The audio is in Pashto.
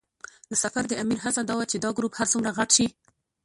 د سفر د امیر هڅه دا وه چې دا ګروپ هر څومره غټ شي.